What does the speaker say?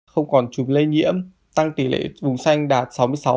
không còn chụp lây nhiễm tăng tỷ lệ vùng xanh đạt sáu mươi sáu